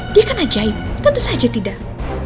dia kan ajaib tentu saja tidak